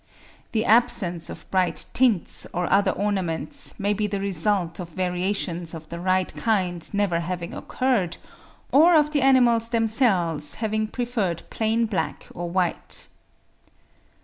The absence of bright tints or other ornaments may be the result of variations of the right kind never having occurred, or of the animals themselves having preferred plain black or white.